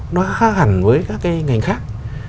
nó khác hẳn với các cái ngành khác